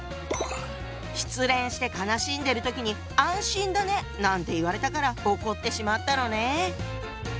失恋して悲しんでる時に「安心だね！」なんて言われたから怒ってしまったのね。